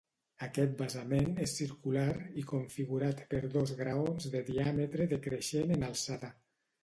Aquest basament és circular i configurat per dos graons de diàmetre decreixent en alçada.